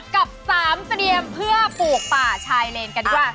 กับสามเสรียมเพื่อปลูกป่าชายเลนกันด้วย